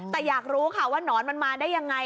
แต่อยากรู้ค่ะว่านอนมันมาได้ยังไง